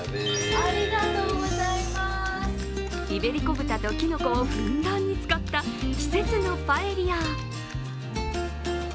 イベリコ豚ときのこをふんだんに使った季節のパエリア。